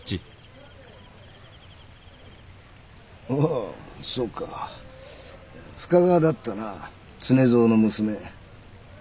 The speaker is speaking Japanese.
ああそうか深川だったな常蔵の娘。